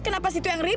kenapa situ yang ribet